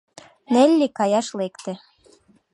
Нелли каяш лекте.